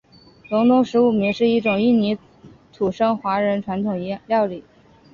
隆东十五暝是一种印尼土生华人传统料理。